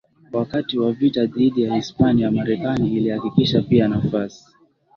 Wakati wa vita dhidi ya Hispania Marekani ilihakikisha pia nafasi